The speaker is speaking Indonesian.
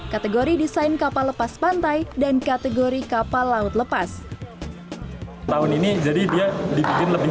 kategori desain kapal lepas pantai dan kategori kapal laut lepas tahun ini jadi dia dibikin lebih